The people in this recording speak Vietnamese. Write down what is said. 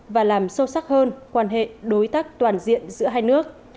và làm sâu sắc hơn quan hệ đối tác toàn diện giữa hai nước